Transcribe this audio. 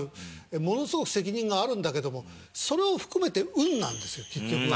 ものすごく責任があるんだけどもそれを含めて運なんですよ結局は。